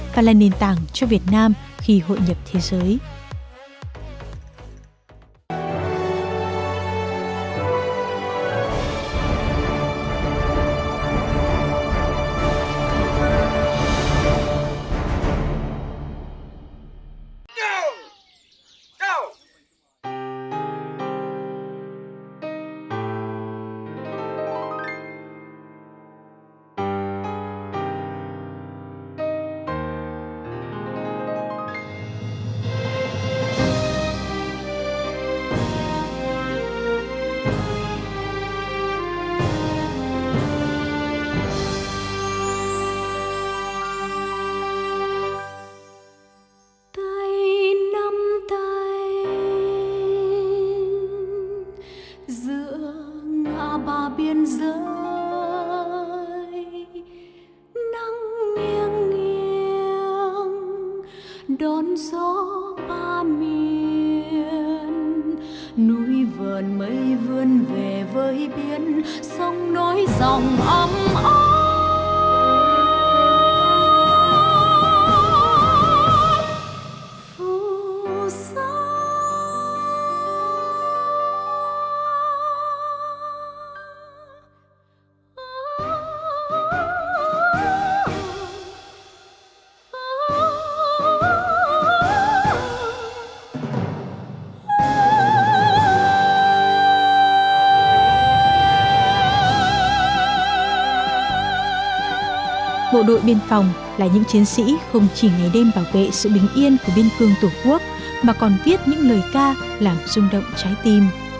và là nền tảng cho việt nam khi hội nhập thế giới